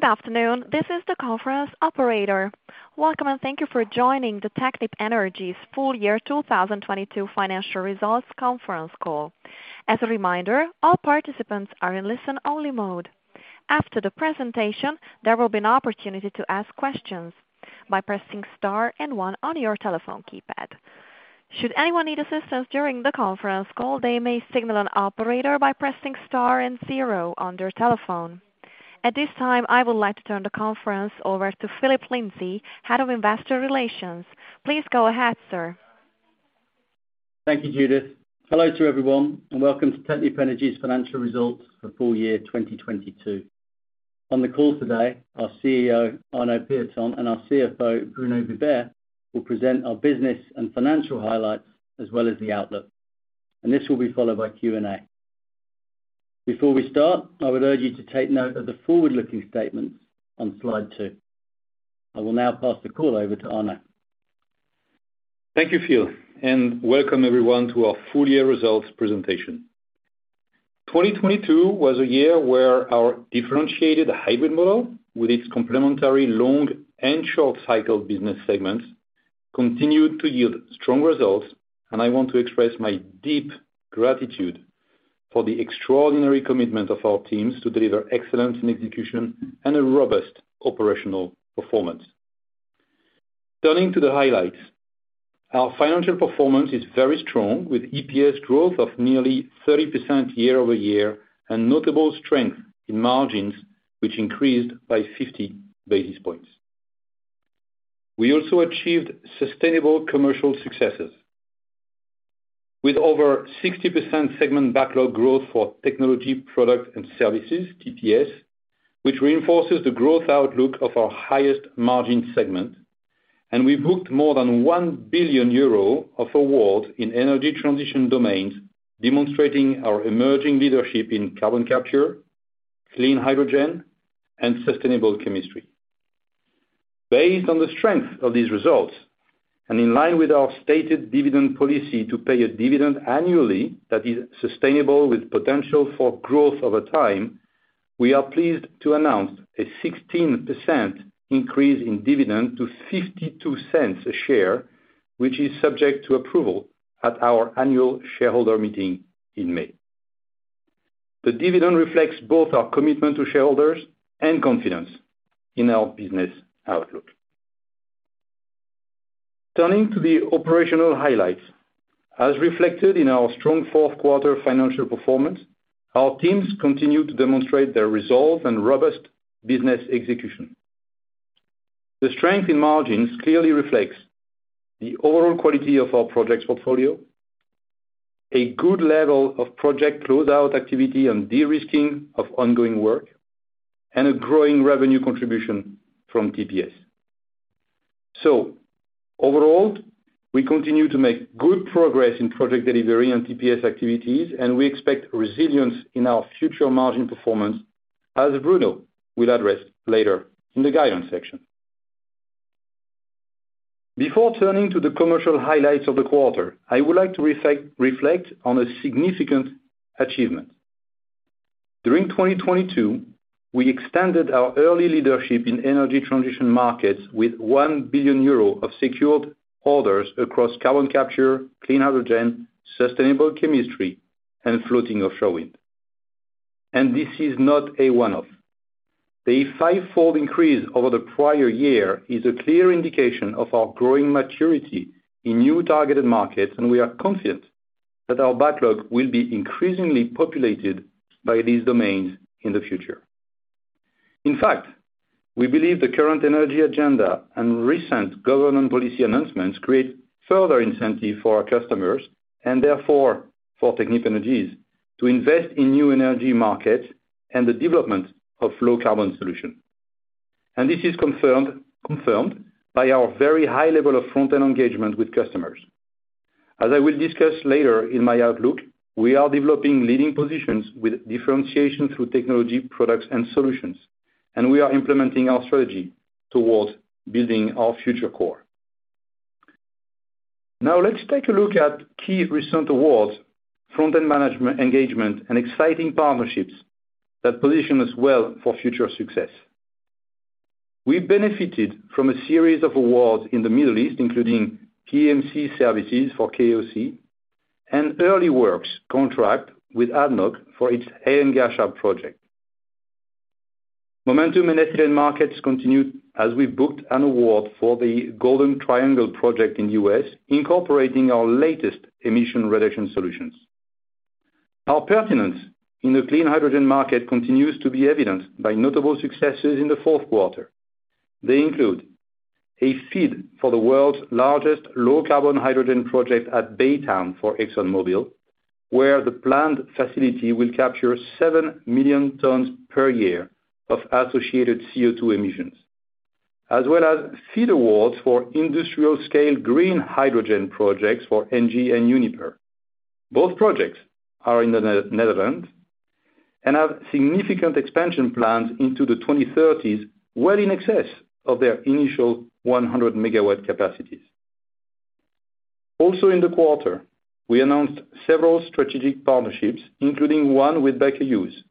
Good afternoon. This is the conference operator. Welcome and thank you for joining the Technip Energies Full Year 2022 Financial Results Conference Call. As a reminder, all participants are in listen-only mode. After the presentation, there will be an opportunity to ask questions by pressing star one on your telephone keypad. Should anyone need assistance during the conference call, they may signal an operator by pressing star zero on their telephone. At this time, I would like to turn the conference over to Phillip Lindsay, Head of Investor Relations. Please go ahead, sir. Thank you, Judith. Hello to everyone, and welcome to Technip Energies Financial Results for Full Year 2022. On the call today, our CEO, Arnaud Pieton, and our CFO, Bruno Vibert, will present our business and financial highlights as well as the outlook. This will be followed by Q&A. Before we start, I would urge you to take note of the forward-looking statements on slide two. I will now pass the call over to Arnaud. Thank you, Phil. Welcome everyone to our full-year results presentation. 2022 was a year where our differentiated hybrid model with its complementary long and short cycle business segments continued to yield strong results. I want to express my deep gratitude for the extraordinary commitment of our teams to deliver excellence in execution and a robust operational performance. Turning to the highlights. Our financial performance is very strong with EPS growth of nearly 30% year-over-year and notable strength in margins, which increased by 50 basis points. We also achieved sustainable commercial successes with over 60% segment backlog growth for technology, product, and services, TPS, which reinforces the growth outlook of our highest margin segment. We booked more than 1 billion euro of awards in energy transition domains, demonstrating our emerging leadership in carbon capture, clean hydrogen, and sustainable chemistry. Based on the strength of these results, and in line with our stated dividend policy to pay a dividend annually that is sustainable with potential for growth over time, we are pleased to announce a 16% increase in dividend to 0.52 a share, which is subject to approval at our annual shareholder meeting in May. The dividend reflects both our commitment to shareholders and confidence in our business outlook. Turning to the operational highlights. As reflected in our strong fourth quarter financial performance, our teams continue to demonstrate their resolve and robust business execution. The strength in margins clearly reflects the overall quality of our projects portfolio, a good level of project closeout activity and de-risking of ongoing work, and a growing revenue contribution from TPS. Overall, we continue to make good progress in project delivery and TPS activities, and we expect resilience in our future margin performance, as Bruno will address later in the guidance section. Before turning to the commercial highlights of the quarter, I would like to reflect on a significant achievement. During 2022, we extended our early leadership in energy transition markets with 1 billion euro of secured orders across carbon capture, clean hydrogen, sustainable chemistry, and floating offshore wind. This is not a one-off. The five-fold increase over the prior year is a clear indication of our growing maturity in new targeted markets, and we are confident that our backlog will be increasingly populated by these domains in the future. In fact, we believe the current energy agenda and recent government policy announcements create further incentive for our customers, and therefore for Technip Energies, to invest in new energy markets and the development of low carbon solution. This is confirmed by our very high level of front-end engagement with customers. As I will discuss later in my outlook, we are developing leading positions with differentiation through technology, products and solutions, and we are implementing our strategy towards building our future core. Let's take a look at key recent awards, front-end management engagement, and exciting partnerships that position us well for future success. We benefited from a series of awards in the Middle East, including PMC services for KOC and early works contract with ADNOC for its Hail and Ghasha project. Momentum in ethylene markets continued as we booked an award for the Golden Triangle project in U.S., incorporating our latest emission reduction solutions. Our pertinence in the clean hydrogen market continues to be evidenced by notable successes in the fourth quarter. They include a FEED for the world's largest low carbon hydrogen project at Baytown for ExxonMobil, where the planned facility will capture seven million tons per year of associated CO2 emissions, as well as FEED awards for industrial-scale green hydrogen projects for Engie and Uniper. Both projects are in the Netherlands and have significant expansion plans into the 2030s, well in excess of their initial 100 MW capacities. In the quarter, we announced several strategic partnerships, including one with Baker Hughes,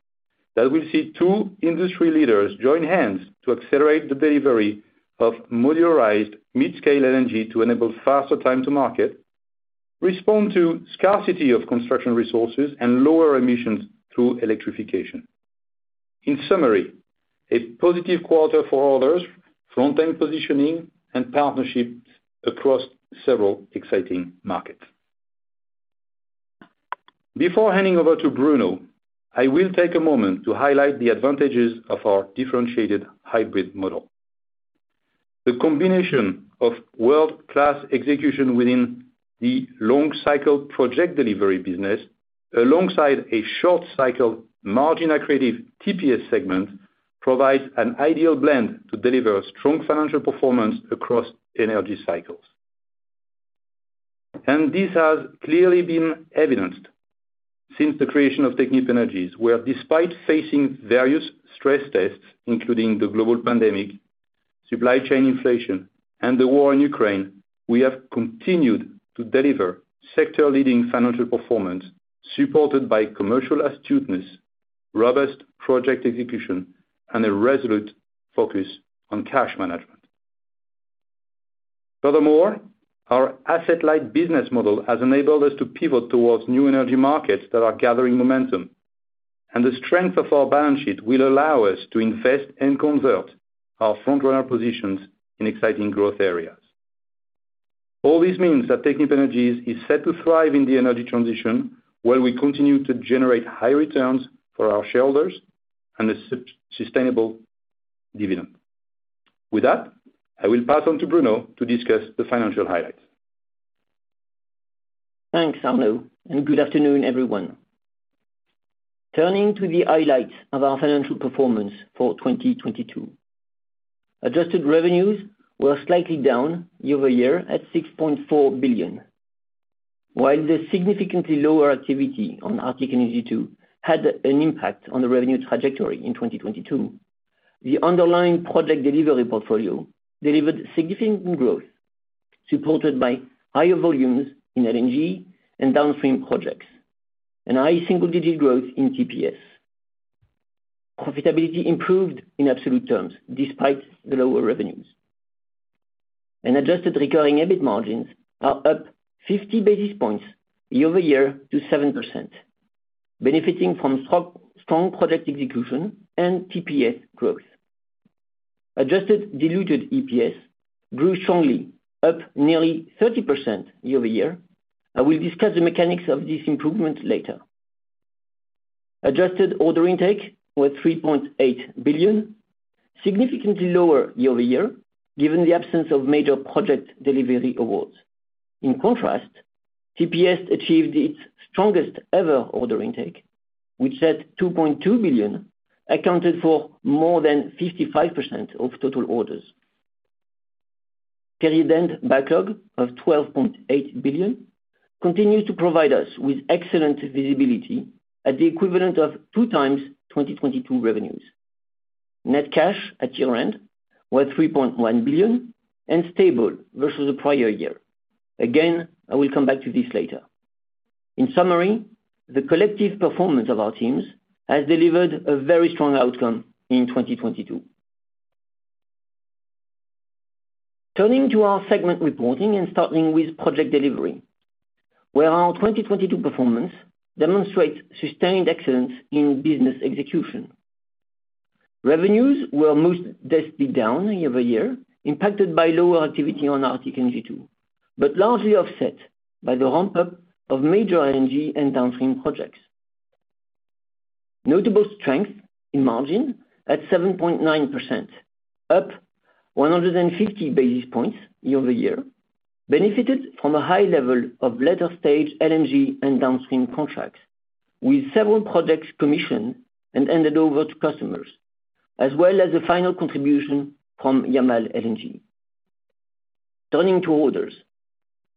that will see two industry leaders join hands to accelerate the delivery of modularized mid-scale LNG to enable faster time to market, respond to scarcity of construction resources, and lower emissions through electrification. In summary, a positive quarter for others, front-end positioning and partnerships across several exciting markets. Before handing over to Bruno, I will take a moment to highlight the advantages of our differentiated hybrid model. The combination of world-class execution within the long-cycle project delivery business, alongside a short-cycle margin accretive TPS segment, provides an ideal blend to deliver strong financial performance across energy cycles. This has clearly been evidenced since the creation of Technip Energies, where despite facing various stress tests, including the global pandemic, supply chain inflation, and the war in Ukraine, we have continued to deliver sector leading financial performance supported by commercial astuteness, robust project execution, and a resolute focus on cash management. Furthermore, our asset light business model has enabled us to pivot towards new energy markets that are gathering momentum, and the strength of our balance sheet will allow us to invest and convert our front runner positions in exciting growth areas. All this means that Technip Energies is set to thrive in the energy transition, while we continue to generate high returns for our shareholders and a sustainable dividend. With that, I will pass on to Bruno to discuss the financial highlights. Thanks, Arnaud. Good afternoon, everyone. Turning to the highlights of our financial performance for 2022. Adjusted revenues were slightly down year-over-year at 6.4 billion. While the significantly lower activity on Arctic LNG 2 had an impact on the revenue trajectory in 2022, the underlying Project Delivery portfolio delivered significant growth supported by higher volumes in LNG and downstream projects and high single-digit growth in TPS. Profitability improved in absolute terms despite the lower revenues. Adjusted recurring EBIT margins are up 50 basis points year-over-year to 7%, benefiting from strong product execution and TPS growth. Adjusted diluted EPS grew strongly, up nearly 30% year-over-year. I will discuss the mechanics of this improvement later. Adjusted order intake was 3.8 billion, significantly lower year-over-year, given the absence of major project delivery awards. TPS achieved its strongest ever order intake, which at 2.2 billion accounted for more than 55% of total orders. Carry then backlog of 12.8 billion continues to provide us with excellent visibility at the equivalent of 2x 2022 revenues. Net cash at year-end was 3.1 billion and stable versus the prior year. I will come back to this later. The collective performance of our teams has delivered a very strong outcome in 2022. Turning to our segment reporting and starting with project delivery, where our 2022 performance demonstrates sustained excellence in business execution. Revenues were mostly down year-over-year, impacted by lower activity on Arctic LNG 2, but largely offset by the ramp-up of major LNG and downstream projects. Notable strength in margin at 7.9%, up 150 basis points year-over-year, benefited from a high level of later stage LNG and downstream contracts with several projects commissioned and handed over to customers, as well as the final contribution from Yamal LNG. Turning to orders,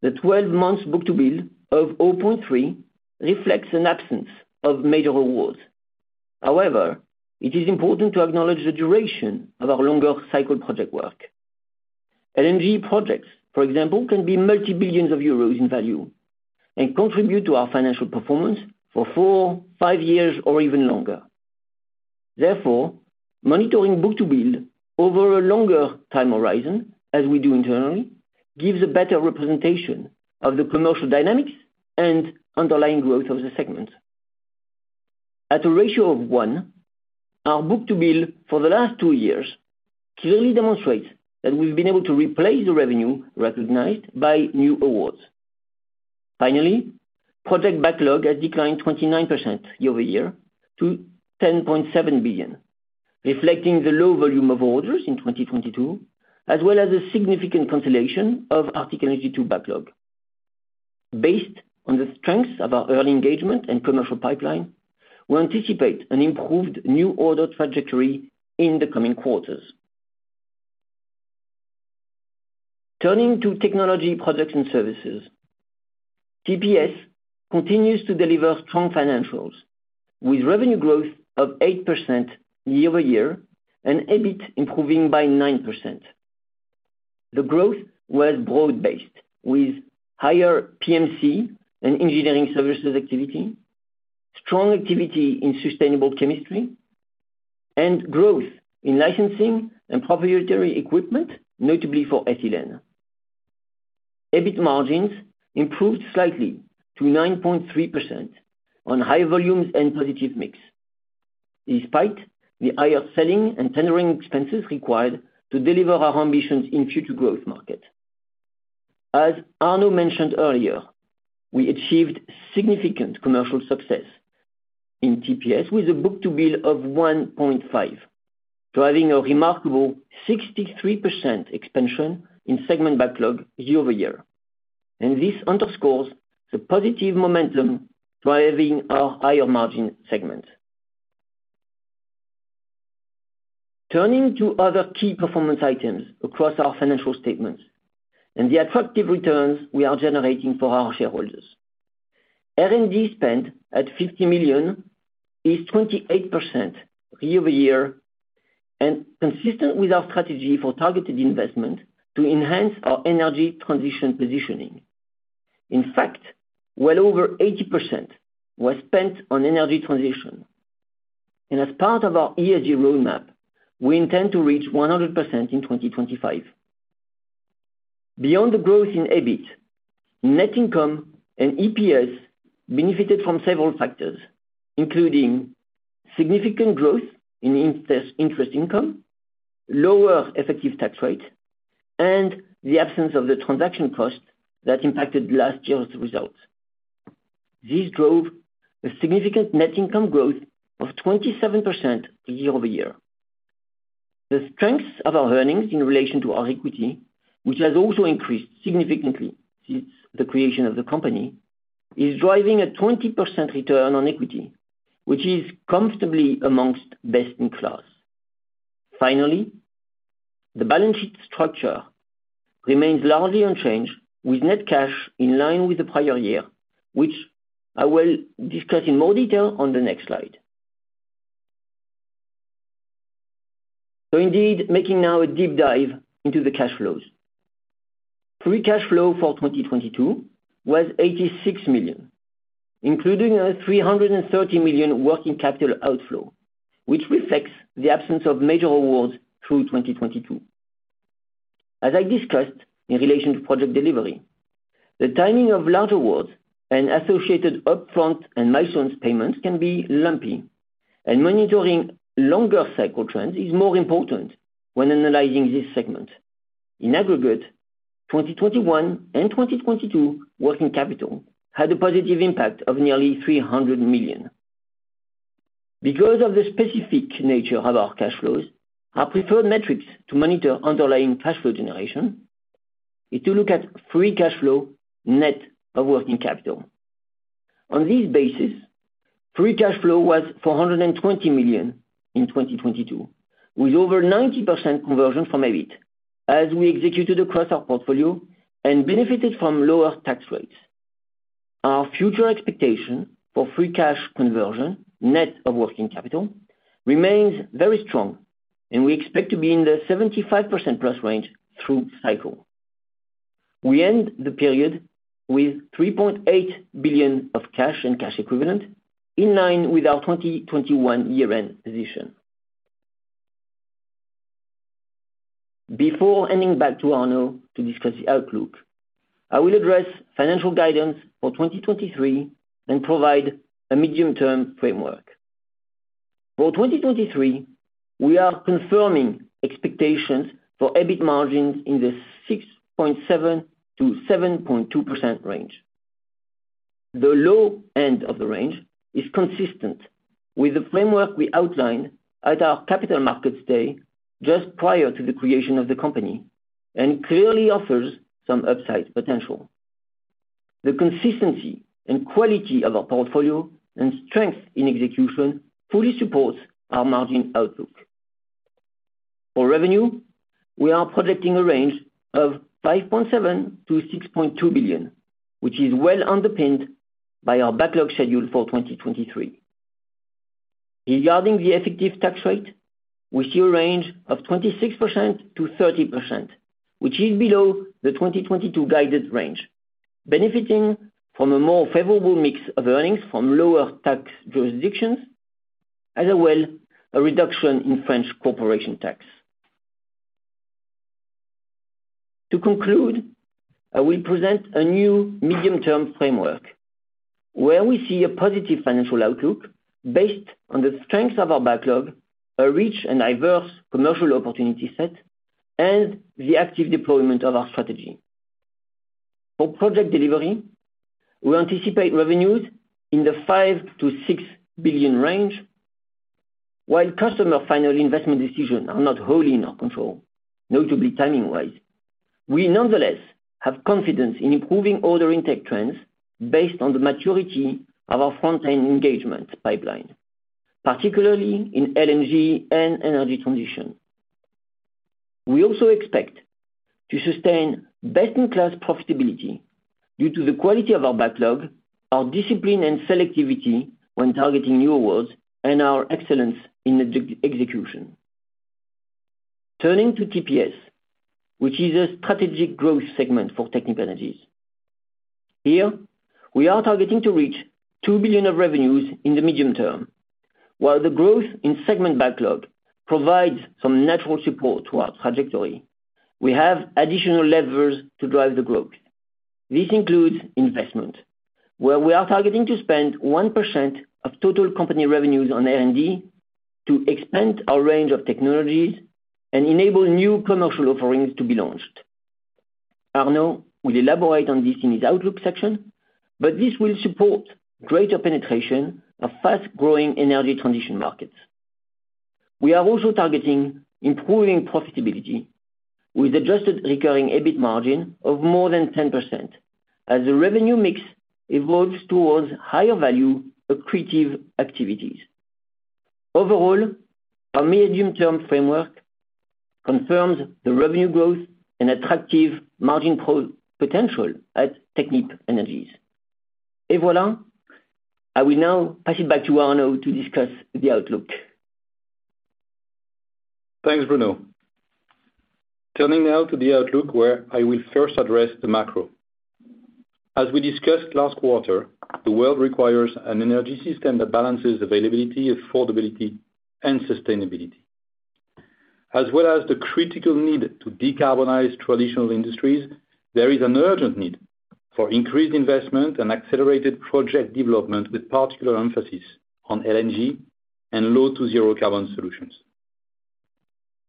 the 12 months book-to-bill of 0.3 reflects an absence of major awards. It is important to acknowledge the duration of our longer cycle project work. LNG projects, for example, can be multi-billions of euros in value and contribute to our financial performance for four, five years or even longer. Monitoring book-to-bill over a longer time horizon, as we do internally, gives a better representation of the commercial dynamics and underlying growth of the segment. At a ratio of one, our book-to-bill for the last two years clearly demonstrates that we've been able to replace the revenue recognized by new awards. Finally, project backlog has declined 29% year-over-year to 10.7 billion, reflecting the low volume of orders in 2022, as well as a significant cancellation of Arctic LNG 2 backlog. Based on the strength of our early engagement and commercial pipeline, we anticipate an improved new order trajectory in the coming quarters. Turning to technology products and servicesTPS continues to deliver strong financials with revenue growth of 8% year-over-year and EBIT improving by 9%. The growth was broad-based with higher PMC and engineering services activity, strong activity in sustainable chemistry, and growth in licensing and proprietary equipment, notably for ethylene. EBIT margins improved slightly to 9.3% on high volumes and positive mix, despite the higher selling and tendering expenses required to deliver our ambitions in future growth market. As Arnaud mentioned earlier, we achieved significant commercial success in TPS with a book-to-bill of 1.5, driving a remarkable 63% expansion in segment backlog year-over-year. This underscores the positive momentum driving our higher margin segment. Turning to other key performance items across our financial statements and the attractive returns we are generating for our shareholders. R&D spend at 50 million is 28% year-over-year and consistent with our strategy for targeted investment to enhance our energy transition positioning. In fact, well over 80% was spent on energy transition. As part of our ESG roadmap, we intend to reach 100% in 2025. Beyond the growth in EBIT, net income and EPS benefited from several factors, including significant growth in interest income, lower effective tax rate, and the absence of the transaction costs that impacted last year's results. This drove a significant net income growth of 27% year-over-year. The strengths of our earnings in relation to our equity, which has also increased significantly since the creation of the company, is driving a 20% return on equity, which is comfortably amongst best in class. Finally, the balance sheet structure remains largely unchanged, with net cash in line with the prior year, which I will discuss in more detail on the next slide. Indeed, making now a deep dive into the cash flows. Free cash flow for 2022 was 86 million, including a 330 million working capital outflow, which reflects the absence of major awards through 2022. As I discussed in relation to project delivery, the timing of large awards and associated upfront and milestones payments can be lumpy, and monitoring longer cycle trends is more important when analyzing this segment. In aggregate, 2021 and 2022 working capital had a positive impact of nearly 300 million. Because of the specific nature of our cash flows, our preferred metrics to monitor underlying cash flow generation is to look at free cash flow net of working capital. On this basis, free cash flow was 420 million in 2022, with over 90% conversion from EBIT, as we executed across our portfolio and benefited from lower tax rates. Our future expectation for free cash conversion, net of working capital, remains very strong, and we expect to be in the 75%+ range through cycle. We end the period with 3.8 billion of cash and cash equivalent in line with our 2021 year-end position. Before handing back to Arnaud to discuss the outlook, I will address financial guidance for 2023 and provide a medium-term framework. For 2023, we are confirming expectations for EBIT margins in the 6.7%-7.2% range. The low end of the range is consistent with the framework we outlined at our Capital Markets Day just prior to the creation of the company and clearly offers some upside potential. The consistency and quality of our portfolio and strength in execution fully supports our margin outlook. For revenue, we are projecting a range of 5.7 billion-6.2 billion, which is well underpinned by our backlog schedule for 2023. Regarding the effective tax rate, we see a range of 26%-30%, which is below the 2022 guided range, benefiting from a more favorable mix of earnings from lower tax jurisdictions, as well a reduction in French corporation tax. To conclude, I will present a new medium-term framework where we see a positive financial outlook based on the strength of our backlog, a rich and diverse commercial opportunity set, and the active deployment of our strategy. For project delivery, we anticipate revenues in the 5 billion-6 billion range. While customer final investment decisions are not wholly in our control, notably timing-wise, we nonetheless have confidence in improving order intake trends based on the maturity of our front-end engagement pipeline, particularly in LNG and energy transition. We also expect to sustain best-in-class profitability due to the quality of our backlog, our discipline and selectivity when targeting new awards, and our excellence in execution. Turning to TPS, which is a strategic growth segment for Technip Energies. Here, we are targeting to reach 2 billion of revenues in the medium term. While the growth in segment backlog provides some natural support to our trajectory, we have additional levers to drive the growth. This includes investment, where we are targeting to spend 1% of total company revenues on R&D to expand our range of technologies and enable new commercial offerings to be launched. Arnaud will elaborate on this in his outlook section. This will support greater penetration of fast growing energy transition markets. We are also targeting improving profitability with adjusted recurring EBIT margin of more than 10% as the revenue mix evolves towards higher value accretive activities. Overall, our medium term framework confirms the revenue growth and attractive margin potential at Technip Energies. Et voilà, I will now pass it back to Arnaud to discuss the outlook. Thanks, Bruno. Turning now to the outlook, where I will first address the macro. As we discussed last quarter, the world requires an energy system that balances availability, affordability, and sustainability. As well as the critical need to decarbonize traditional industries, there is an urgent need for increased investment and accelerated project development, with particular emphasis on LNG and low to zero carbon solutions.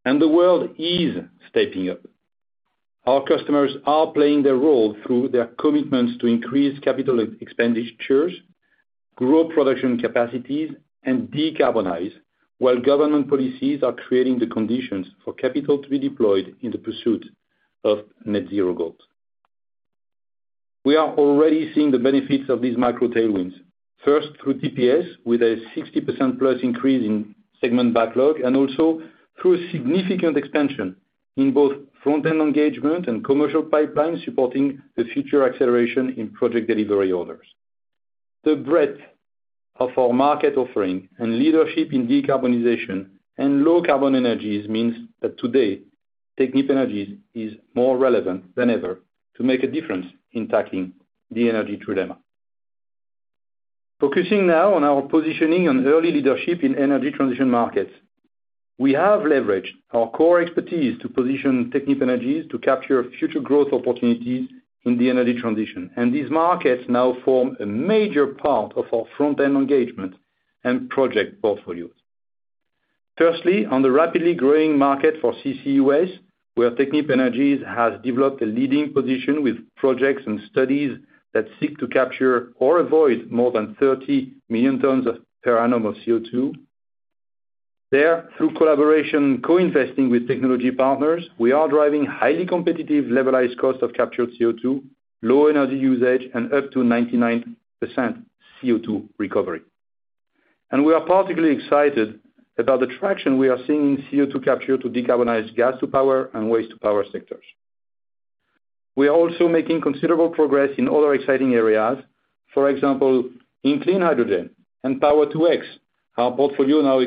The world is stepping up. Our customers are playing their role through their commitments to increase capital expenditures, grow production capacities, and decarbonize while government policies are creating the conditions for capital to be deployed in the pursuit of net zero goals. We are already seeing the benefits of these macro tailwinds, first through TPS with a 60%+ increase in segment backlog and also through a significant expansion in both front-end engagement and commercial pipeline supporting the future acceleration in project delivery orders. The breadth of our market offering and leadership in decarbonization and low carbon energies means that today, Technip Energies is more relevant than ever to make a difference in tackling the energy dilemma. Focusing now on our positioning and early leadership in energy transition markets. We have leveraged our core expertise to position Technip Energies to capture future growth opportunities in the energy transition. These markets now form a major part of our front-end engagement and project portfolios. Firstly, on the rapidly growing market for CCUS, where Technip Energies has developed a leading position with projects and studies that seek to capture or avoid more than 30 million tons per annum of CO2. There, through collaboration, co-investing with technology partners, we are driving highly competitive levelized cost of captured CO2, low energy usage, and up to 99% CO2 recovery. We are particularly excited about the traction we are seeing in CO2 capture to decarbonize gas to power and waste to power sectors. We are also making considerable progress in other exciting areas. For example, in clean hydrogen and Power-to-X, our portfolio now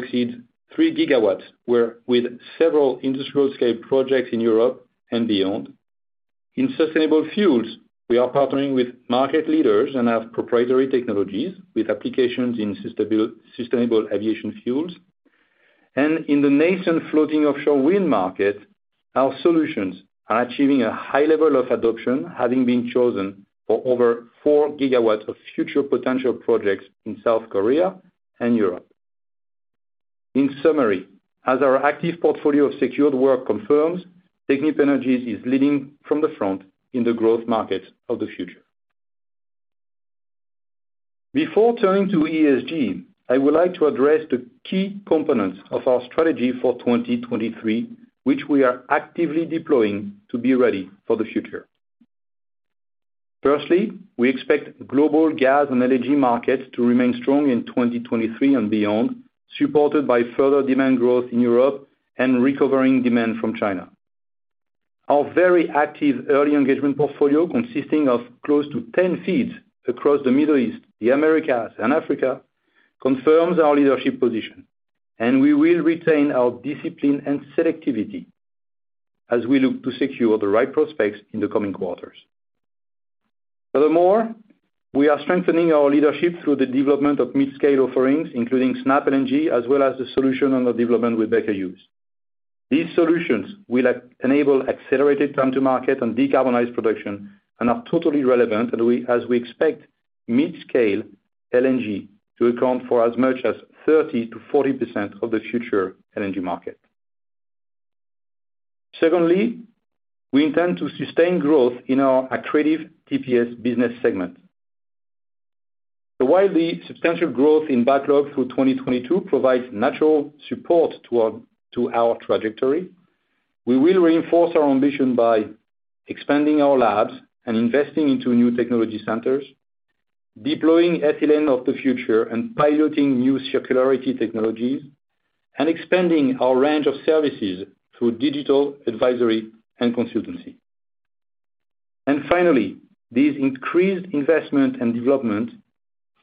exceeds 3 GW, where with several industrial scale projects in Europe and beyond. In sustainable fuels, we are partnering with market leaders and have proprietary technologies with applications in sustainable aviation fuels. In the nascent floating offshore wind market, our solutions are achieving a high level of adoption, having been chosen for over 4 GW of future potential projects in South Korea and Europe. In summary, as our active portfolio of secured work confirms, Technip Energies is leading from the front in the growth markets of the future. Before turning to ESG, I would like to address the key components of our strategy for 2023, which we are actively deploying to be ready for the future. We expect global gas and energy markets to remain strong in 2023 and beyond, supported by further demand growth in Europe and recovering demand from China. Our very active early engagement portfolio, consisting of close to 10 FEEDs across the Middle East, the Americas, and Africa, confirms our leadership position, and we will retain our discipline and selectivity as we look to secure the right prospects in the coming quarters. We are strengthening our leadership through the development of mid-scale offerings, including SnapLNG, as well as the solution on the development with Baker Hughes. These solutions will enable accelerated time to market and decarbonized production and are totally relevant, as we expect mid-scale LNG to account for as much as 30%-40% of the future LNG market. Secondly, we intend to sustain growth in our accretive TPS business segment. While the substantial growth in backlog through 2022 provides natural support to our trajectory, we will reinforce our ambition by expanding our labs and investing into new technology centers. Deploying ethylene of the future and piloting new circularity technologies, and expanding our range of services through digital advisory and consultancy. Finally, this increased investment and development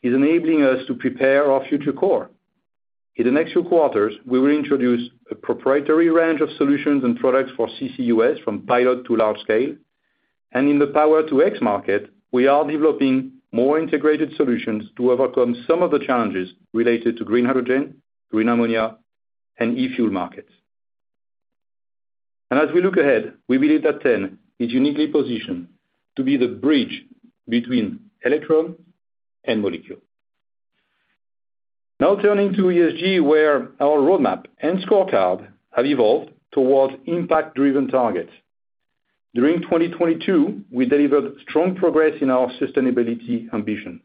is enabling us to prepare our future core. In the next few quarters, we will introduce a proprietary range of solutions and products for CCUS from pilot to large scale. In the Power-to-X market, we are developing more integrated solutions to overcome some of the challenges related to green hydrogen, green ammonia, and e-fuel markets. As we look ahead, we believe that T.EN is uniquely positioned to be the bridge between electron and molecule. Now turning to ESG, where our roadmap and scorecard have evolved towards impact-driven targets. During 2022, we delivered strong progress in our sustainability ambition.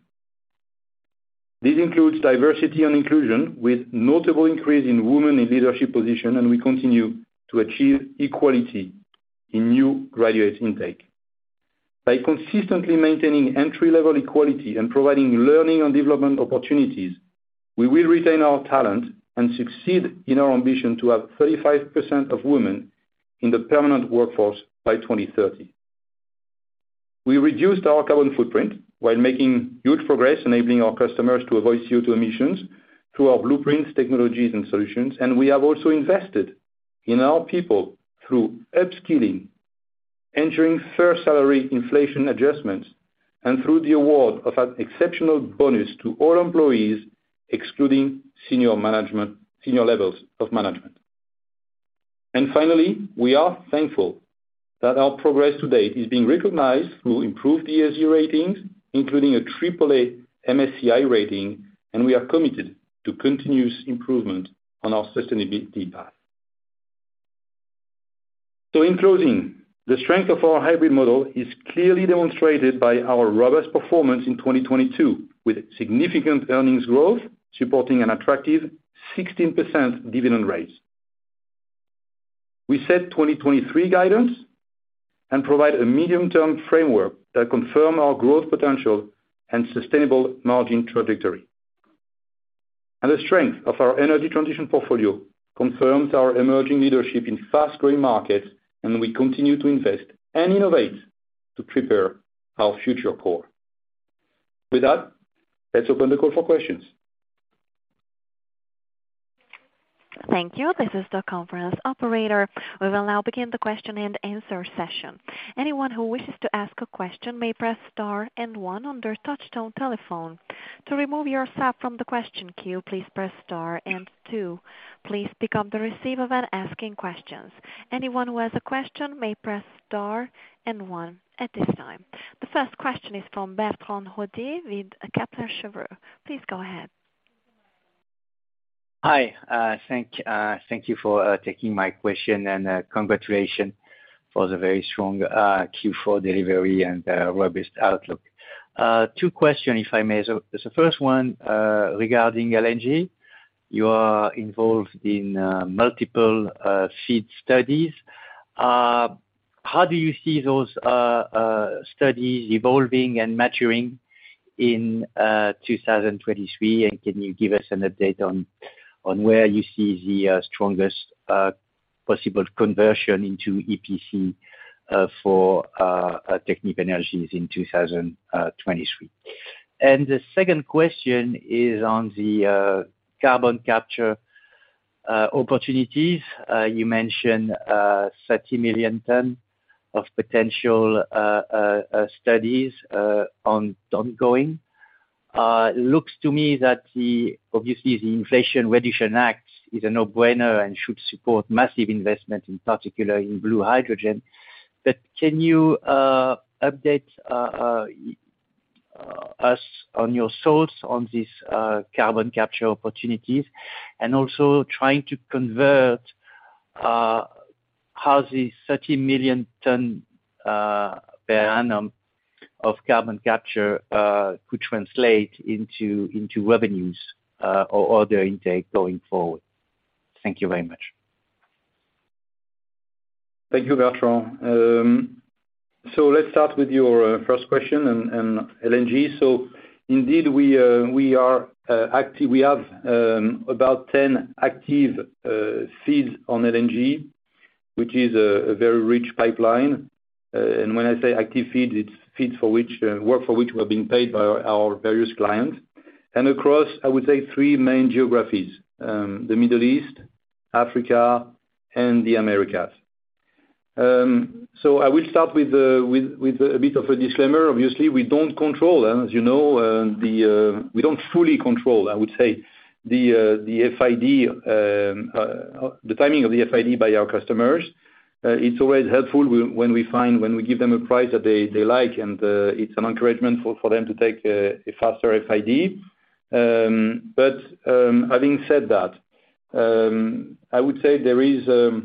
This includes diversity and inclusion, with notable increase in women in leadership position, and we continue to achieve equality in new graduate intake. By consistently maintaining entry-level equality and providing learning and development opportunities, we will retain our talent and succeed in our ambition to have 35% of women in the permanent workforce by 2030. We reduced our carbon footprint while making huge progress enabling our customers to avoid CO2 emissions through our blueprints, technologies and solutions. We have also invested in our people through upskilling, ensuring fair salary inflation adjustments, and through the award of an exceptional bonus to all employees, excluding senior levels of management. Finally, we are thankful that our progress to date is being recognized through improved ESG ratings, including a AAA MSCI rating, and we are committed to continuous improvement on our sustainability path. In closing, the strength of our hybrid model is clearly demonstrated by our robust performance in 2022, with significant earnings growth supporting an attractive 16% dividend raise. We set 2023 guidance and provide a medium-term framework that confirm our growth potential and sustainable margin trajectory. The strength of our energy transition portfolio confirms our emerging leadership in fast-growing markets, and we continue to invest and innovate to prepare our future core. With that, let's open the call for questions. Thank you. This is the conference operator. We will now begin the question-and-answer session. Anyone who wishes to ask a question may press star and one on their touchtone telephone. To remove yourself from the question queue, please press star and two. Please pick up the receiver when asking questions. Anyone who has a question may press star and one at this time. The first question is from Bertrand Hodee with Kepler Cheuvreux. Please go ahead. Hi, thank you for taking my question and congratulations for the very strong Q4 delivery and robust outlook. Two questions, if I may. The first one, regarding LNG. You are involved in multiple FEED studies. How do you see those studies evolving and maturing in 2023? Can you give us an update on where you see the strongest possible conversion into EPC for Technip Energies in 2023? The second question is on the carbon capture opportunities. You mentioned 30 million tons of potential studies ongoing. It looks to me that the, obviously the Inflation Reduction Act is a no-brainer and should support massive investment, in particular in blue hydrogen. Can you update us on your thoughts on these carbon capture opportunities? Also trying to convert how the 30 million ton per annum of carbon capture could translate into revenues or other intake going forward? Thank you very much. Thank you, Bertrand. Let's start with your first question on LNG. Indeed we have about 10 active FEEDs on LNG, which is a very rich pipeline. When I say active FEED, it's FEEDs for which work for which we are being paid by our various clients. Across, I would say, three main geographies, the Middle East, Africa and the Americas. I will start with a bit of a disclaimer. Obviously, we don't control, as you know, we don't fully control, I would say, the FID, the timing of the FID by our customers. It's always helpful when we give them a price that they like, and it's an encouragement for them to take a faster FID. Having said that, I would say there is a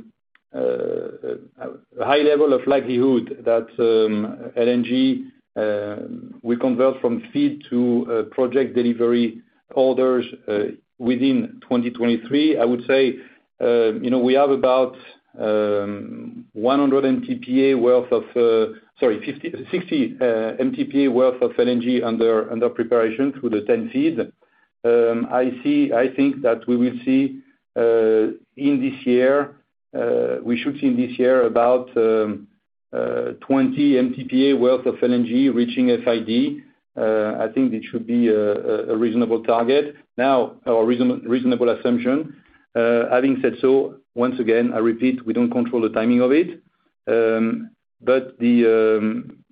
high level of likelihood that LNG will convert from FEED to project delivery orders within 2023. I would say, you know, we have about 100 MTPA worth of sorry, 50, 60 MTPA worth of LNG under preparation through the TEN FEED. I see, I think that we will see in this year, we should see in this year about 20 MTPA worth of LNG reaching FID. I think it should be a reasonable target. Now, or a reasonable assumption. Having said so, once again, I repeat, we don't control the timing of it. The,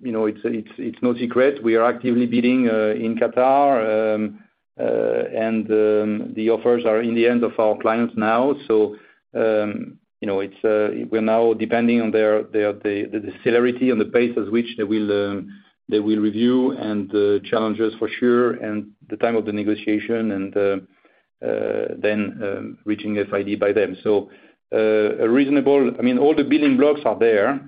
you know, it's, it's no secret, we are actively bidding in Qatar. The offers are in the hands of our clients now. You know, it's, we're now depending on their, the celerity and the pace at which they will review and challenge us for sure, and the time of the negotiation and then reaching FID by them. I mean, all the building blocks are there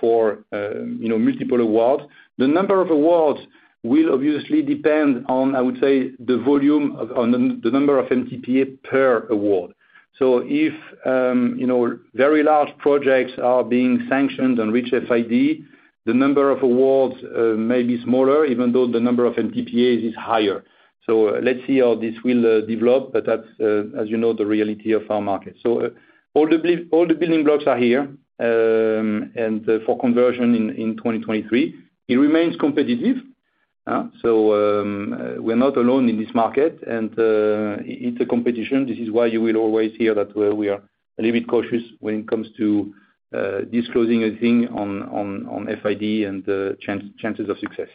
for, you know, multiple awards. The number of awards will obviously depend on, I would say, the volume of, the number of MTPA per award. If, you know, very large projects are being sanctioned and reach FID, the number of awards may be smaller, even though the number of MTPAs is higher. Let's see how this will develop, but that's, as you know, the reality of our market. All the building blocks are here, and for conversion in 2023. It remains competitive, so we're not alone in this market and it's a competition. This is why you will always hear that we are a little bit cautious when it comes to disclosing anything on FID and chances of success.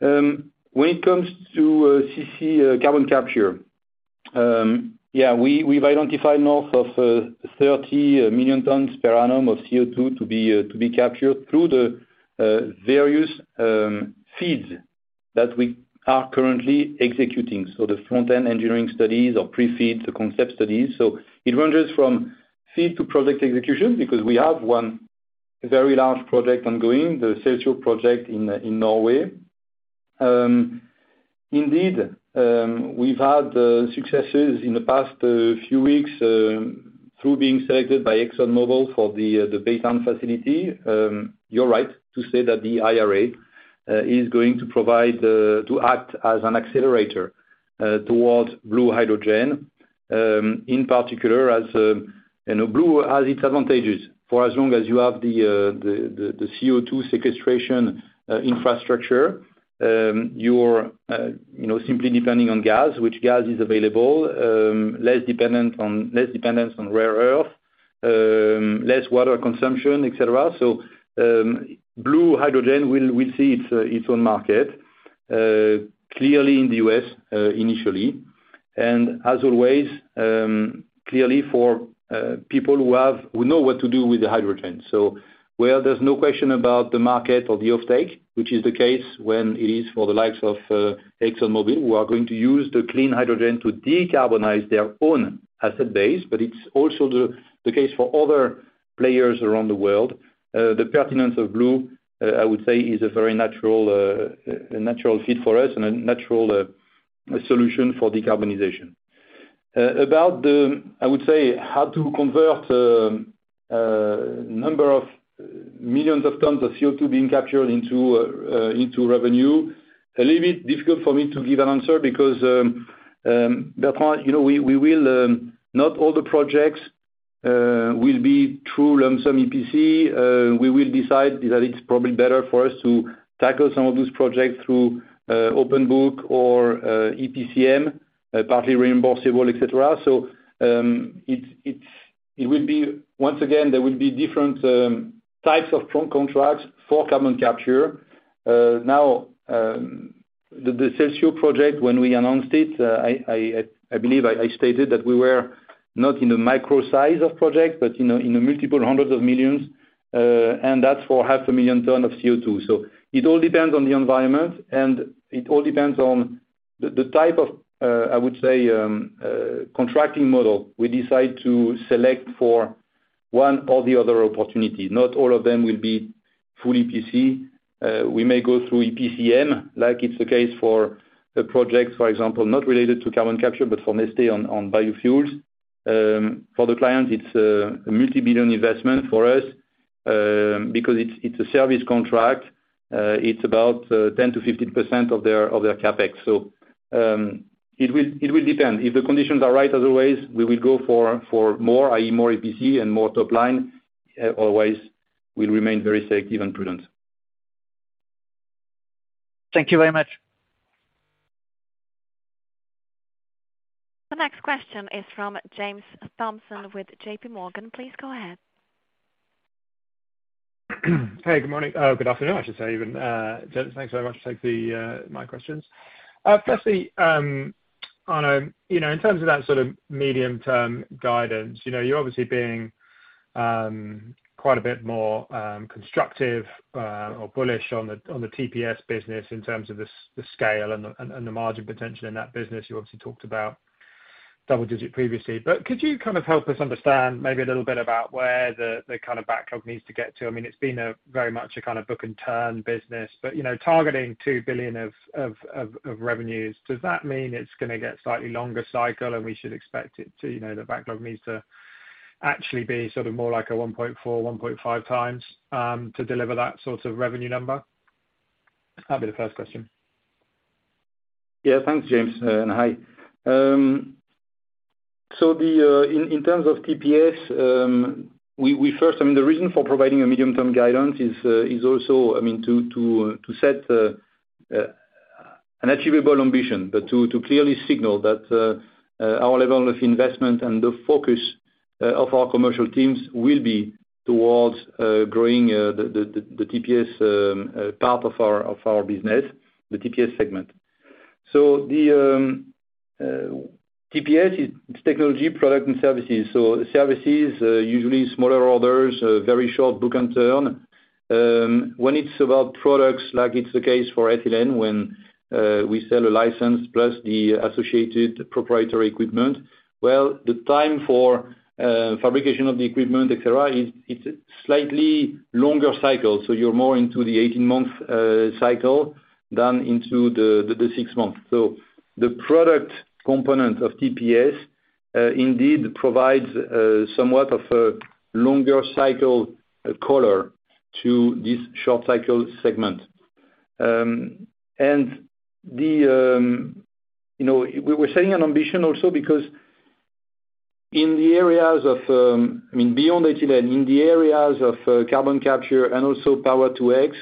When it comes to CCUS, carbon capture, we've identified north of 30 million tons per annum of CO2 to be captured through the various FEEDs that we are currently executing. So the front-end engineering studies or pre-FEEDs, the concept studies. It ranges from FEED to project execution because we have one very large project ongoing, the Celsio project in Norway. Indeed, we've had successes in the past few weeks through being selected by ExxonMobil for the Baytown facility. You're right to say that the IRA is going to provide to act as an accelerator towards blue hydrogen in particular as, you know, blue has its advantages. For as long as you have the CO2 sequestration infrastructure, you're, you know, simply depending on gas, which gas is available, less dependence on rare earth, less water consumption, et cetera. Blue hydrogen will see its own market clearly in the US initially. As always, clearly for people who know what to do with the hydrogen. Where there's no question about the market or the offtake, which is the case when it is for the likes of ExxonMobil, who are going to use the clean hydrogen to decarbonize their own asset base. It's also the case for other players around the world. The pertinence of blue, I would say, is a very natural, a natural fit for us and a natural solution for decarbonization. About the, I would say, how to convert number of millions of tons of CO2 being captured into revenue, a little bit difficult for me to give an answer because, Bertrand, you know, we will not all the projects will be through lump sum EPC. We will decide that it's probably better for us to tackle some of those projects through open book or EPCM, partly reimbursable, et cetera. It will be. Once again, there will be different types of trunk contracts for carbon capture. The Celsio project, when we announced it, I believe I stated that we were not in the micro size of project, but you know, in the multiple hundreds of millions. That's for half a million ton of CO2. It all depends on the environment, and it all depends on the type of contracting model we decide to select for one or the other opportunity. Not all of them will be full EPC. We may go through EPCM, like it's the case for the projects, for example, not related to carbon capture, but for Neste on biofuels. For the client, it's a multi-billion investment. For us, because it's a service contract, it's about 10%-15% of their CapEx. It will depend. If the conditions are right, as always, we will go for more, i.e., more EPC and more top line. Always we'll remain very safe, even prudent. Thank you very much. The next question is from James Thompson with JPMorgan. Please go ahead. Hey, good morning. Good afternoon, I should say even. James, thanks very much for taking my questions. Firstly, Arnaud, you know, in terms of that sort of medium-term guidance, you know, you're obviously being quite a bit more constructive or bullish on the on the TPS business in terms of the scale and the margin potential in that business. You obviously talked about double digit previously. Could you kind of help us understand maybe a little bit about where the kind of backlog needs to get to? I mean, it's been a, very much a kind of book and turn business, but, you know, targeting 2 billion of revenues, does that mean it's gonna get slightly longer cycle, and we should expect it to, you know, the backlog needs to Actually be sort of more like a 1.4x, 1.5x, to deliver that sort of revenue number? That'd be the first question. Thanks, James, hi. The in terms of TPS, I mean the reason for providing a medium term guidance is also, I mean, to set an achievable ambition. To clearly signal that our level of investment and the focus of our commercial teams will be towards growing the TPS part of our business, the TPS segment. The TPS, it's technology, product and services. Services usually smaller orders, very short book and turn. When it's about products like it's the case for ethylene, when we sell a license plus the associated proprietary equipment, well, the time for fabrication of the equipment, et cetera, it's a slightly longer cycle, so you're more into the 18-month cycle than into the six months. The product component of TPS indeed provides somewhat of a longer cycle color to this short cycle segment. You know, we're setting an ambition also because in the areas of, I mean beyond ethylene, in the areas of carbon capture and also Power-to-X,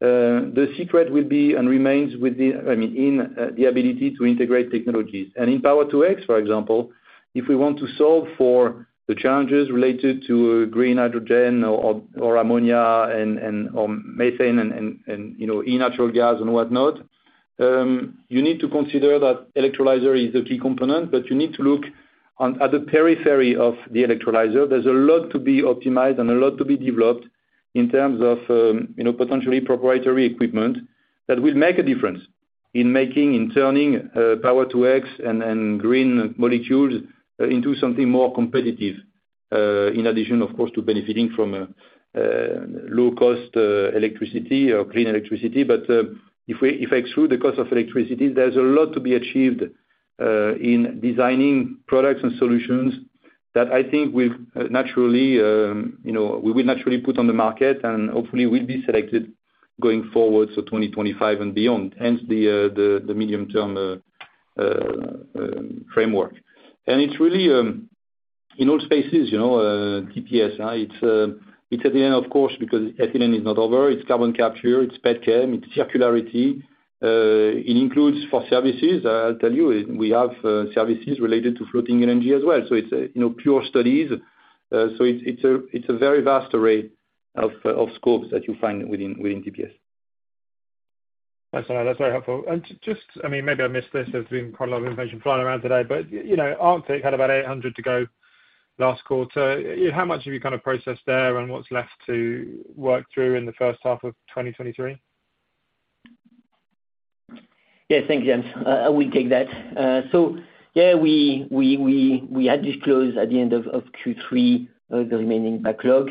the secret would be and remains with the, I mean, in the ability to integrate technologies. In Power-to-X, for example, if we want to solve for the challenges related to green hydrogen or ammonia and or methane and, you know, e-natural gas and whatnot, you need to consider that electrolyzer is a key component, but you need to look on other periphery of the electrolyzer. There's a lot to be optimized and a lot to be developed in terms of, you know, potentially proprietary equipment that will make a difference in turning Power-to-X and green molecules into something more competitive, in addition, of course, to benefiting from low cost electricity or green electricity. If we exclude the cost of electricity, there's a lot to be achieved in designing products and solutions that I think we've naturally, you know, we will naturally put on the market and hopefully will be selected going forward, so 2025 and beyond, hence the medium term framework. It's really, in all spaces, you know, TPS, it's at the end of course, because ethylene is not over, it's carbon capture, it's pet chem, it's circularity. It includes for services, I'll tell you, we have services related to floating LNG as well. It's, you know, pure studies. It's a very vast array of scopes that you find within TPS. That's, that's very helpful. Just, I mean, maybe I missed this, there's been quite a lot of information flying around today, but, you know, Arctic had about 800 to go last quarter. How much have you kind of processed there, and what's left to work through in the first half of 2023? Yes, thanks, James. I will take that. Yeah, we had disclosed at the end of Q3, the remaining backlog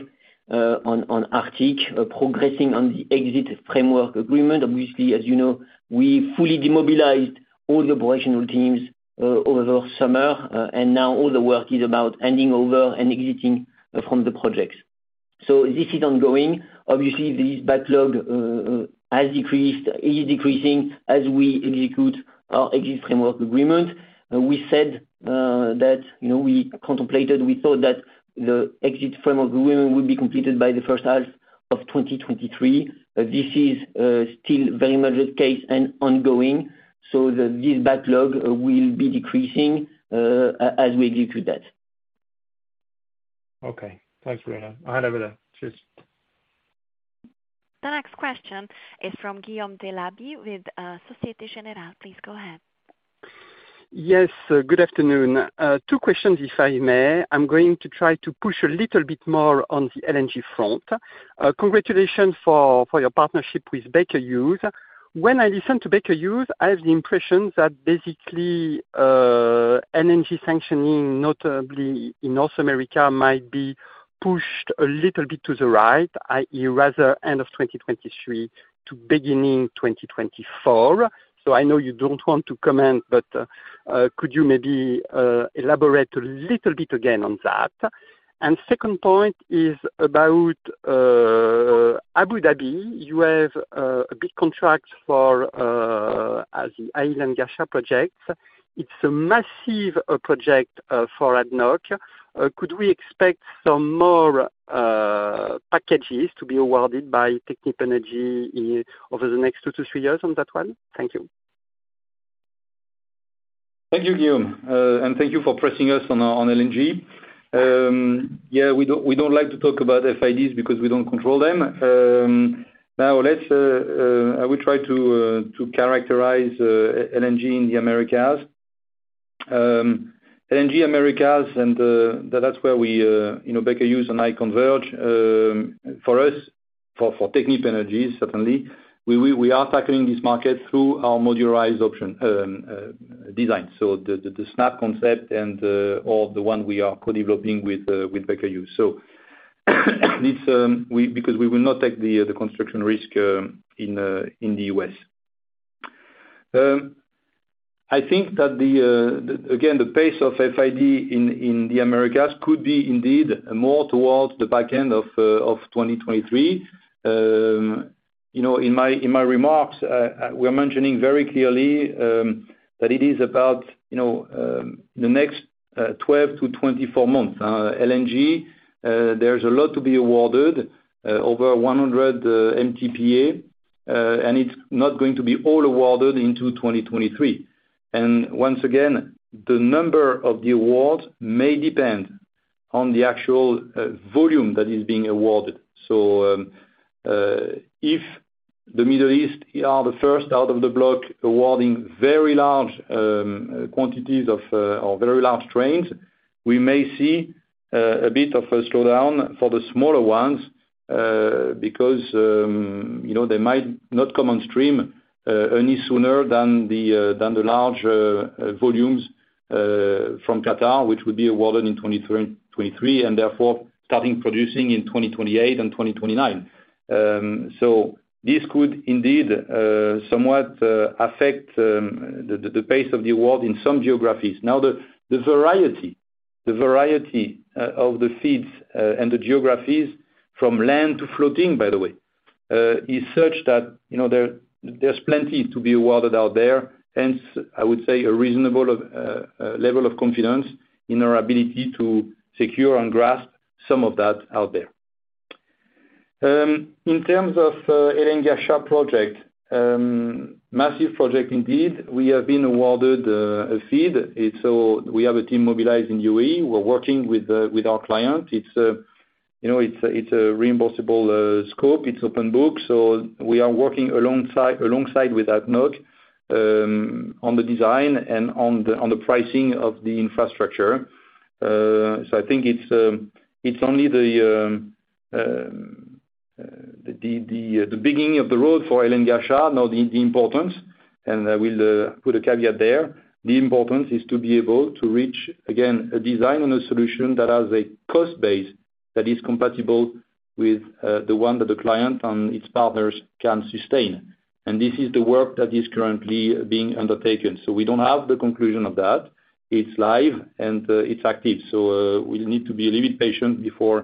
on Arctic, progressing on the exit framework agreement. Obviously, as you know, we fully demobilized all the operational teams over the summer, and now all the work is about handing over and exiting from the projects. This is ongoing. Obviously, this backlog has decreased, is decreasing as we execute our exit framework agreement. We said that, you know, we contemplated, we thought that the exit framework agreement would be completed by the first half of 2023. This is still very much the case and ongoing. This backlog will be decreasing as we execute that. Okay. Thanks very much. I'll hand over there. Cheers. The next question is from Guillaume Delaby with Société Générale. Please go ahead. Yes, good afternoon. Two questions, if I may. I'm going to try to push a little bit more on the LNG front. Congratulations for your partnership with Baker Hughes. When I listen to Baker Hughes, I have the impression that basically, LNG sanctioning, notably in North America, might be pushed a little bit to the right, i.e., rather end of 2023 to beginning 2024. I know you don't want to comment, but could you maybe elaborate a little bit again on that? Second point is about Abu Dhabi. You have a big contract for the island gas project. It's a massive project for ADNOC. Could we expect some more packages to be awarded by Technip Energies over the next two to three years on that one? Thank you. Thank you, Guillaume. And thank you for pressing us on LNG. We don't like to talk about FIDs because we don't control them. Now, I will try to characterize LNG in the Americas. LNG Americas, and that's where we, you know, Baker Hughes and I converge. For us, for Technip Energies, certainly, we are tackling this market through our modularized option design. So the Snap concept, or the one we are co-developing with Baker Hughes This, because we will not take the construction risk in the U.S. I think that the again, the pace of FID in the Americas could be indeed more towards the back end of 2023. You know, in my remarks, we're mentioning very clearly that it is about, you know, the next 12 to 24 months. LNG, there's a lot to be awarded, over 100 MTPA, and it's not going to be all awarded into 2023. Once again, the number of the awards may depend on the actual volume that is being awarded. If the Middle East are the first out of the block awarding very large quantities of or very large trains, we may see a bit of a slowdown for the smaller ones, because, you know, they might not come on stream any sooner than the than the large volumes from Qatar, which would be awarded in 2023, and therefore starting producing in 2028 and 2029. This could indeed somewhat affect the pace of the award in some geographies. The variety of the feeds and the geographies from land to floating, by the way, is such that, you know, there's plenty to be awarded out there, hence, I would say a reasonable level of confidence in our ability to secure and grasp some of that out there. In terms of Hail and Ghasha project, massive project indeed, we have been awarded a FEED. We have a team mobilized in UAE. We're working with our client. It's, you know, it's a reimbursable scope. It's open book. We are working alongside with ADNOC on the design and on the pricing of the infrastructure. I think it's only the beginning of the road for Hail and Ghasha. Now the importance, and I will put a caveat there, the importance is to be able to reach, again, a design and a solution that has a cost base that is compatible with the one that the client and its partners can sustain. This is the work that is currently being undertaken. We don't have the conclusion of that. It's live and it's active. We'll need to be a little bit patient before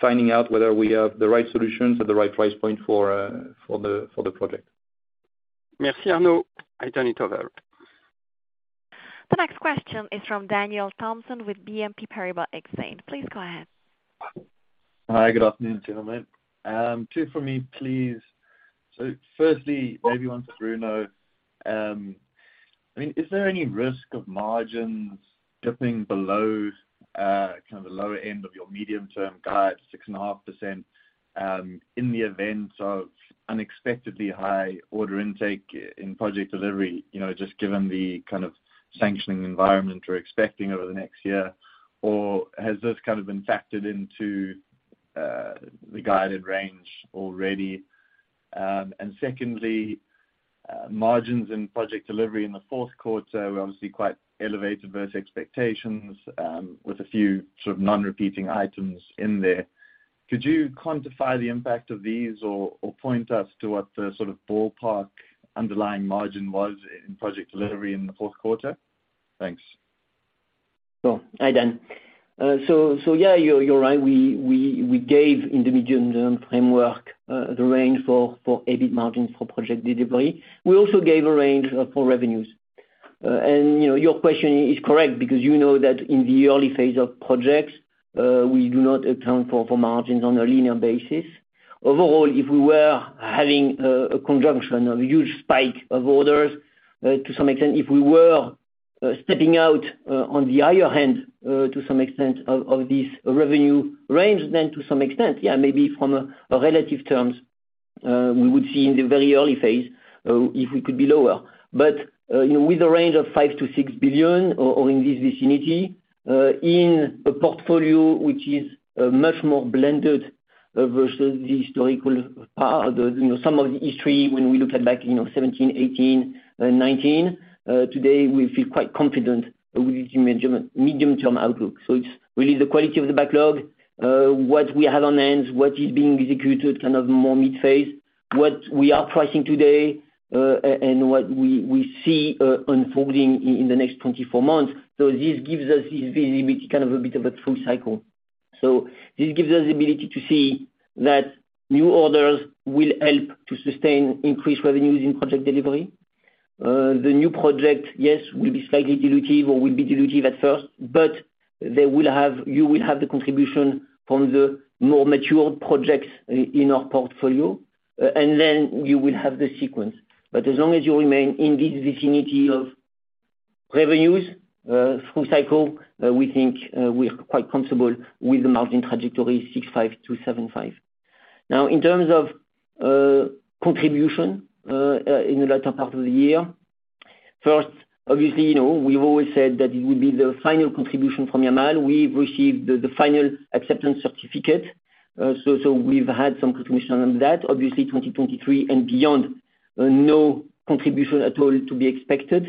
finding out whether we have the right solutions at the right price point for the project. Merci, Arnaud. I turn it over. The next question is from Daniel Thomson with BNP Paribas Exane. Please go ahead. Hi, good afternoon, gentlemen. Two for me, please. Firstly, maybe one to Bruno. I mean, is there any risk of margins dipping below, kind of the lower end of your medium term guide, 6.5%, in the event of unexpectedly high order intake in project delivery, you know, just given the kind of sanctioning environment we're expecting over the next year? Or has this kind of been factored into the guided range already? Secondly, margins in project delivery in the fourth quarter were obviously quite elevated versus expectations, with a few sort of non-repeating items in there. Could you quantify the impact of these or point us to what the sort of ballpark underlying margin was in project delivery in the fourth quarter? Thanks. Hi, Dan. Yeah, you're right. We gave in the medium-term framework the range for EBIT margins for project delivery. We also gave a range for revenues. You know, your question is correct because you know that in the early phase of projects, we do not account for margins on a linear basis. Overall, if we were having a conjunction, a huge spike of orders, to some extent, if we were stepping out on the higher end, to some extent of this revenue range, to some extent, yeah, maybe from a relative terms, we would see in the very early phase, if we could be lower. you know, with a range of 5 billion-6 billion or in this vicinity, in a portfolio which is much more blended versus the historical part of the, you know, some of the history when we looked at back, you know, 2017, 2018, and 2019. Today we feel quite confident with the medium term outlook. It's really the quality of the backlog, what we have on hand, what is being executed kind of more mid-phase, what we are pricing today, and what we see unfolding in the next 24 months. This gives us this visibility, kind of a bit of a full cycle. This gives us the ability to see that new orders will help to sustain increased revenues in project delivery. The new project, yes, will be slightly dilutive or will be dilutive at first, but you will have the contribution from the more mature projects in our portfolio. Then you will have the sequence. As long as you remain in this vicinity of revenues, through cycle, we think, we are quite comfortable with the margin trajectory 6.5%-7.5%. Now, in terms of contribution, in the latter part of the year, first obviously, you know, we've always said that it would be the final contribution from Yamal. We've received the final acceptance certificate. We've had some contribution on that. Obviously 2023 and beyond, no contribution at all to be expected.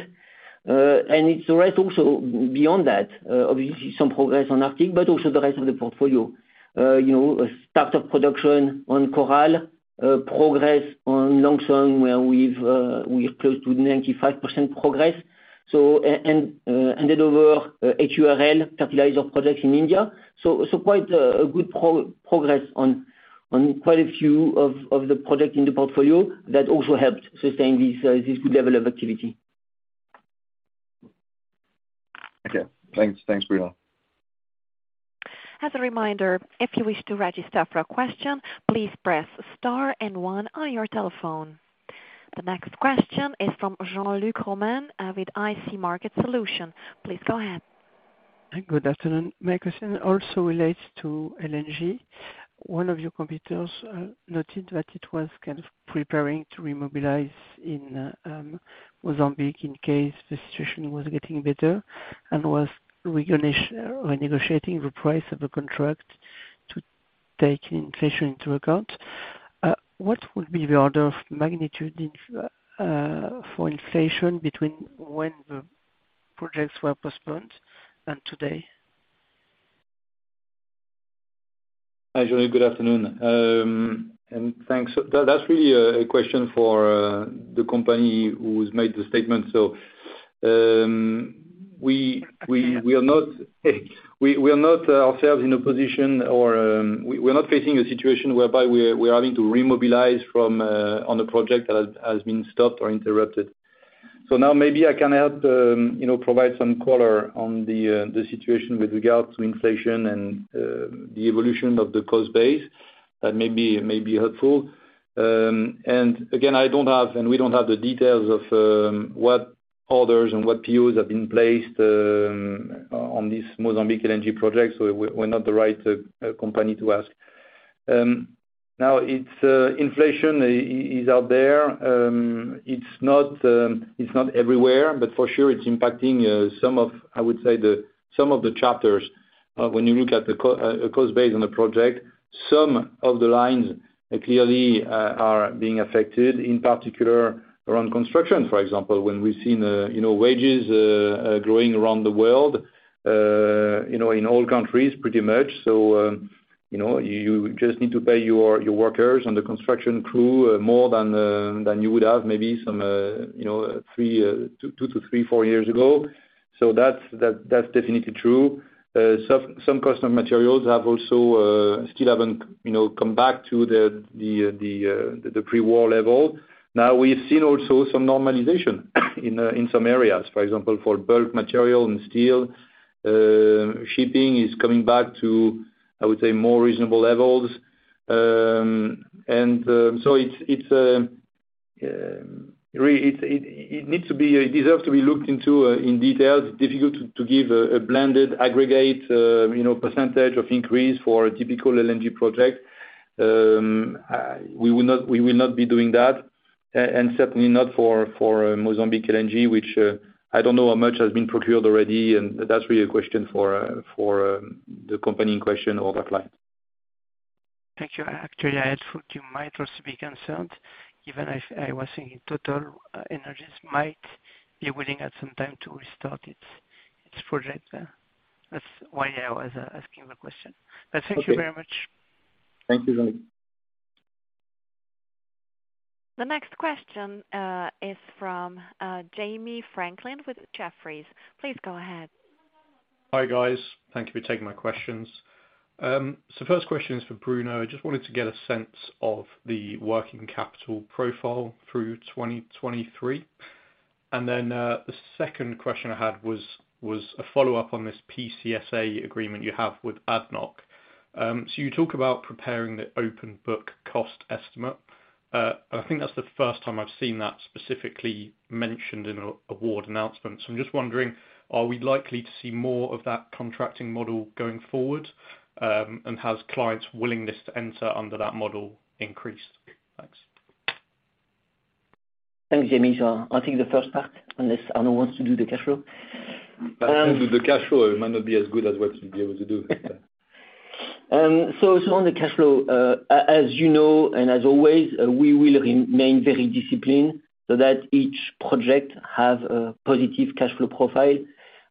It's the rest also beyond that, obviously some progress on Arctic, but also the rest of the portfolio. You know, a start of production on Coral, progress on Long Son, where we've, we're close to 95% progress. Handed over HURL Fertilizer Project in India. Quite a good progress on quite a few of the project in the portfolio that also helped sustain this good level of activity. Okay. Thanks. Thanks, Bruno. As a reminder, if you wish to register for a question, please press star and one on your telephone. The next question is from Jean-Luc Romain, with CIC Market Solutions. Please go ahead. Good afternoon. My question also relates to LNG. One of your competitors noted that it was kind of preparing to remobilize in Mozambique in case the situation was getting better and was renegotiating the price of the contract to take inflation into account. What would be the order of magnitude in for inflation between when the projects were postponed and today? Hi, Jean-Luc, Good afternoon. Thanks. That's really a question for the company who's made the statement. We are not ourselves in a position or we're not facing a situation whereby we're having to remobilize from on a project that has been stopped or interrupted. Now maybe I can help, you know, provide some color on the situation with regard to inflation and the evolution of the cost base that may be helpful. Again, I don't have, and we don't have the details of what orders and what POs have been placed on this Mozambique LNG project, we're not the right company to ask. Now it's inflation is out there. It's not everywhere, but for sure it's impacting some of, I would say the, some of the chapters, when you look at the cost base on the project. Some of the lines clearly are being affected, in particular around construction, for example, when we've seen, you know, wages growing around the world, you know, in all countries much. You know, you just need to pay your workers and the construction crew more than you would have maybe some, you know, three, two to three, four years ago. That's definitely true. Some custom materials have also still haven't, you know, come back to the pre-war level. We've seen also some normalization in some areas, for example, for bulk material and steel. Shipping is coming back to, I would say, more reasonable levels. It deserves to be looked into in detail. It's difficult to give a blended aggregate, you know, percentage of increase for a typical LNG project. We will not be doing that, and certainly not for Mozambique LNG, which I don't know how much has been procured already, and that's really a question for the company in question or their client. Thank you. Actually, I thought you might also be concerned, even I was thinking TotalEnergies might be willing at some time to restart its project there. That's why I was asking the question. Thank you very much. Thank you, Jean. The next question, is from, Jamie Franklin with Jefferies. Please go ahead. Hi, guys. Thank you for taking my questions. First question is for Bruno. Just wanted to get a sense of the working capital profile through 2023? The second question I had was a follow-up on this PCSA agreement you have with ADNOC. You talk about preparing the open book cost estimate. I think that's the first time I've seen that specifically mentioned in a award announcement. I'm just wondering, are we likely to see more of that contracting model going forward? Has clients' willingness to enter under that model increased? Thanks. Thanks, Jamie. I'll take the first part, unless Arnaud wants to do the cash flow. I'll do the cash flow. It might not be as good as what you'll be able to do. On the cash flow, as you know, and as always, we will remain very disciplined so that each project have a positive cash flow profile.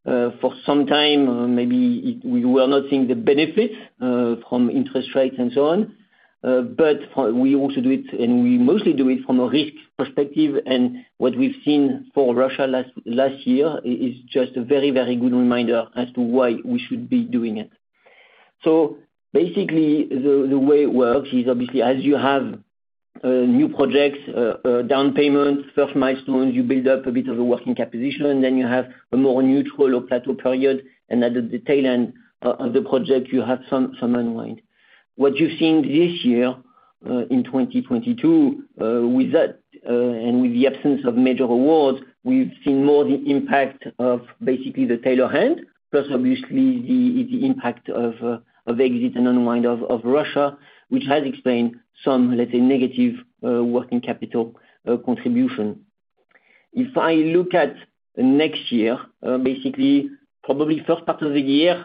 For some time, maybe we were not seeing the benefits from interest rates and so on. We also do it, and we mostly do it from a risk perspective. What we've seen for Russia last year is just a very good reminder as to why we should be doing it. Basically, the way it works is obviously as you have new projects, down payments, first milestones, you build up a bit of a working capital position, and then you have a more neutral or plateau period. At the tail end of the project, you have some unwind. What you're seeing this year, in 2022, with that, and with the absence of major awards, we've seen more the impact of basically the tailor hand, plus obviously the impact of exit and unwind of Russia, which has explained some, let's say, negative, working capital, contribution. If I look at next year, basically probably first part of the year,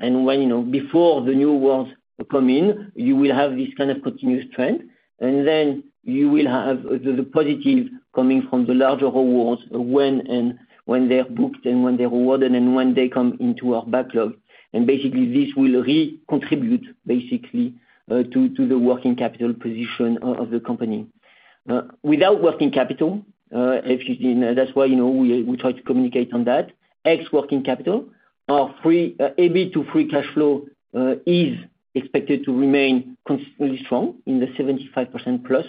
and when, you know, before the new awards come in, you will have this kind of continuous trend, then you will have the positive coming from the larger awards when they're booked and when they're awarded and when they come into our backlog. Basically this will re-contribute basically to the working capital position of the company. Without working capital, if you didn't... That's why, you know, we try to communicate on that. Ex working capital, our EBIT to free cash flow, is expected to remain consistently strong in the 75%+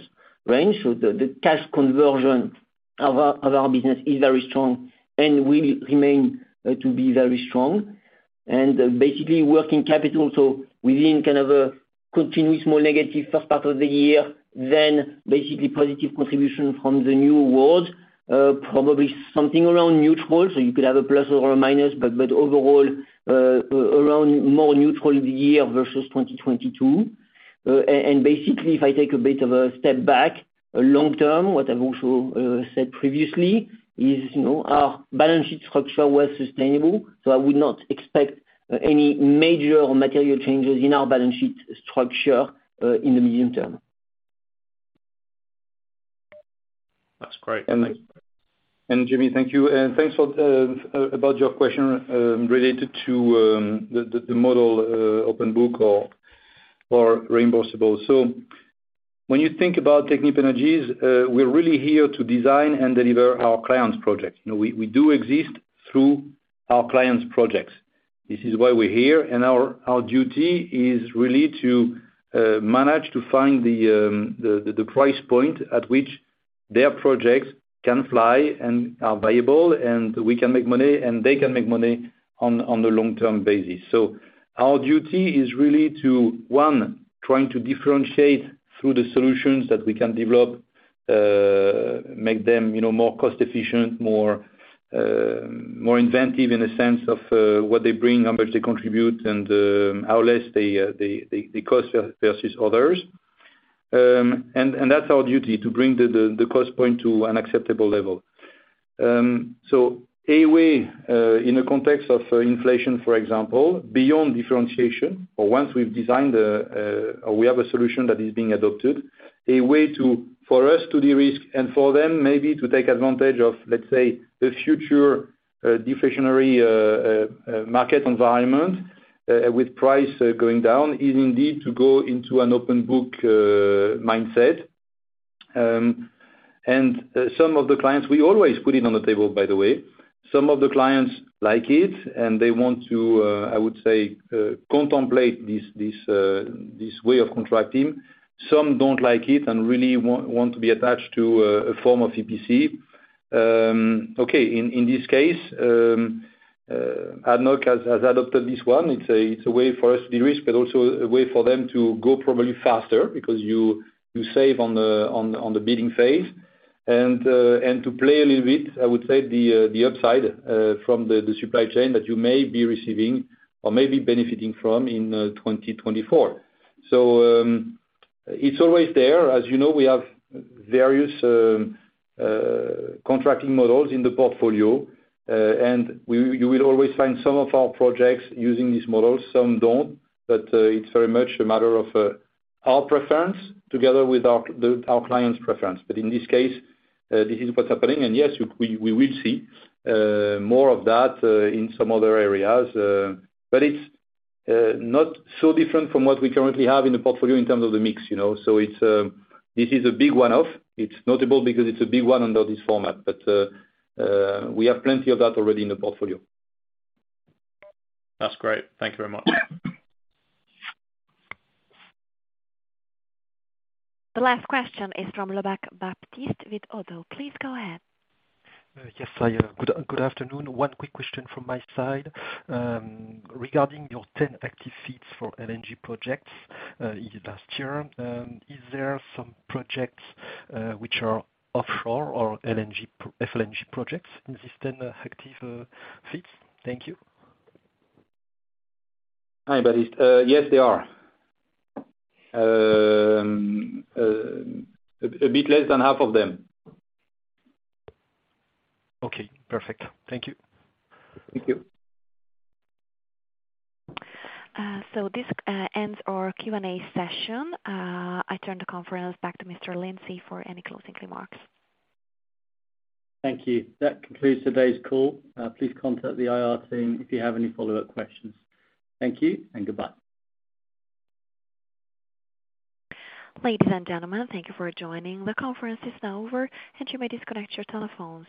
range. The cash conversion of our business is very strong and will remain to be very strong. Basically working capital, so within kind of a continuous small negative first part of the year, then basically positive contribution from the new award, probably something around neutral. You could have a plus or a minus, but overall, around more neutral year versus 2022. Basically if I take a bit of a step back, long term, what I've also, said previously is, you know, our balance sheet structure was sustainable, so I would not expect any major or material changes in our balance sheet structure, in the medium term. That's great. Thanks. Jamie, thank you. Thanks for about your question related to the model, open book or reimbursable. When you think about Technip Energies, we're really here to design and deliver our clients' projects. You know, we do exist through our clients' projects. This is why we're here, and our duty is really to manage to find the price point at which their projects can fly and are viable, and we can make money, and they can make money on a long-term basis. Our duty is really to, one, trying to differentiate through the solutions that we can develop, make them, you know, more cost efficient, more inventive in the sense of what they bring, how much they contribute, and how less they cost versus others. That's our duty to bring the cost point to an acceptable level. A way in the context of inflation for example, beyond differentiation or once we've designed or we have a solution that is being adopted, a way for us to de-risk and for them maybe to take advantage of, let's say, the future deflationary market environment, with price going down is indeed to go into an open book mindset. We always put it on the table by the way. Some of the clients like it and they want to, I would say, contemplate this way of contracting. Some don't like it and really want to be attached to a form of EPC. Okay, in this case, ADNOC has adopted this one. It's a way for us to de-risk but also a way for them to go probably faster because you save on the bidding phase. To play a little bit, I would say the upside from the supply chain that you may be receiving or may be benefiting from in 2024. It's always there. As you know we have various contracting models in the portfolio. You will always find some of our projects using these models. Some don't but it's very much a matter of our preference together with our client's preference. In this case, this is what's happening and yes, we will see more of that in some other areas. It's not so different from what we currently have in the portfolio in terms of the mix, you know. It's, this is a big one-off. It's notable because it's a big one under this format but we have plenty of that already in the portfolio. That's great. Thank you very much. The last question is from Baptiste Lebacq with ODDO BHF. Please go ahead. Yes. I-- Good afternoon. One quick question from my side. Regarding your 10 active FEEDs for LNG projects in the past year, is there some projects which are offshore or LNG FLNG projects in these 10 active FEEDs? Thank you. Hi, Baptiste. Yes, there are. A bit less than half of them. Okay, perfect. Thank you. Thank you. This ends our Q&A session. I turn the conference back to Mr. Lindsay for any closing remarks. Thank you. That concludes today's call. Please contact the IR team if you have any follow-up questions. Thank you and goodbye. Ladies and gentlemen, thank you for joining. The conference is now over, and you may disconnect your telephones.